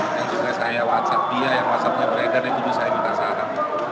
yang juga saya whatsapp dia yang whatsappnya breder yang itu saya minta saham